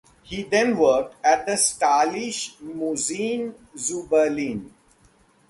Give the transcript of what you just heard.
He then worked at the Staatliche Museen zu Berlin.